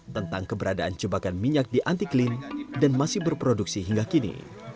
tentang keberadaan jebakan minyak di antiklin dan masih berproduksi hingga kini